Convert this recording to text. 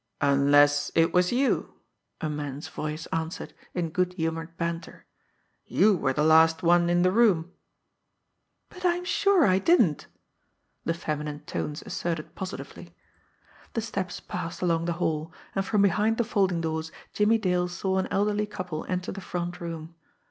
"Unless, it was you," a man's voice answered in good humoured banter. "You were the last one in the room." "But I am sure I didn't!" the feminine tones asserted positively. The steps passed along the hall, and from behind the folding doors Jimmie Dale saw an elderly couple enter the front room.